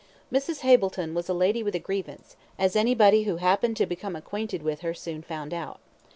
Mrs. Hableton was a lady with a grievance, as anybody who happened to become acquainted with her, soon found out.